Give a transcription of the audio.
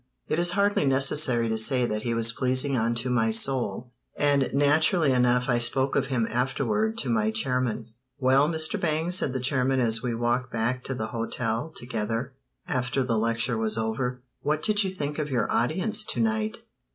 It is hardly necessary to say that he was pleasing unto my soul, and naturally enough I spoke of him afterward to my chairman. "Well, Mr. Bangs," said the chairman as we walked back to the hotel together after the lecture was over, "what did you think of your audience to night?